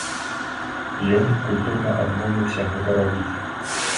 Ён культурна адмовіўся гэта рабіць.